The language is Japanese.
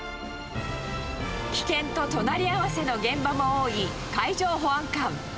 危険と隣り合わせの現場も多い海上保安官。